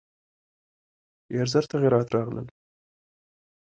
ډېر ژور تغییرات راغلل.